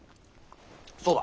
そうだ。